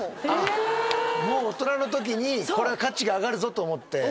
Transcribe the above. もう大人のときにこれは価値が上がるぞと思って。